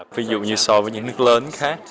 ví dụ như so với những nước lớn khác